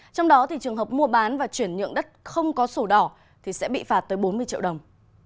trong đó trường hợp mua bán và chuyển nhượng đất không có sổ đỏ thì sẽ bị phạt tới bốn mươi triệu đồng